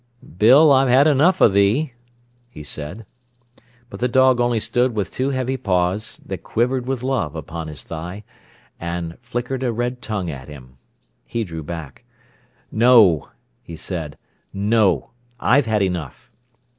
"Bill, I've had enough o' thee," he said. But the dog only stood with two heavy paws, that quivered with love, upon his thigh, and flickered a red tongue at him. He drew back. "No," he said—"no—I've had enough."